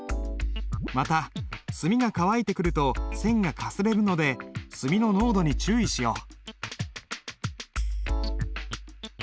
また墨が乾いてくると線がかすれるので墨の濃度に注意しよう。